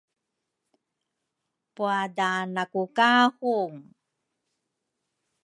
puadaanaku ka hon.